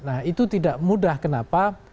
nah itu tidak mudah kenapa